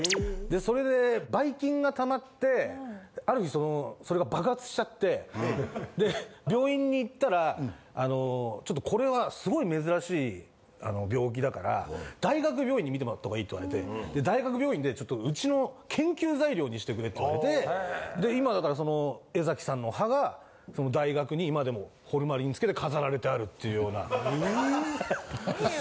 それでばい菌がたまって、ある日、それが爆発しちゃって、で、病院に行ったら、ちょっとこれはすごい珍しい病気だから、大学病院で診てもらったほうがいいって言われて、大学病院でちょっと、うちの研究材料にしてくれって言われて、今だから、江崎さんの歯が大学に今でもホルマリン漬けで飾られてあるっていうような。